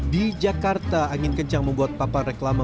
di jakarta angin kencang membuat papan reklama